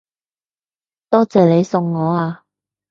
多謝你送我啊